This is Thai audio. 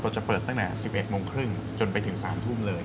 จะเปิดตั้งแต่๑๑โมงครึ่งจนไปถึง๓ทุ่มเลย